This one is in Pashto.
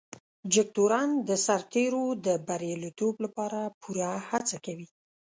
جګتورن د سرتیرو د بريالیتوب لپاره پوره هڅه کوي.